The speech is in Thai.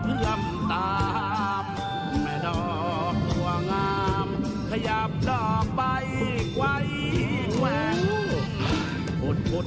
ทะเพียมตามแม่ดอกบวงอ่างามขยับดอกไปไกวใกว้